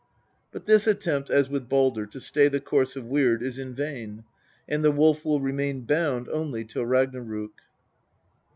But this attempt, as with Baldr, to stay the course of Weird is in vain, and the Wolf will remain bound only till Ragnarok.